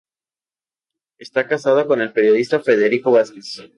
Está casada con el periodista Federico Vázquez..